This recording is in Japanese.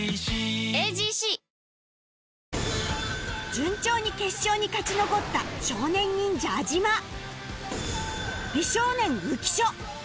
順調に決勝に勝ち残った少年忍者安嶋美少年浮所